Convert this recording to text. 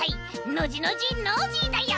ノジノジノージーだよ！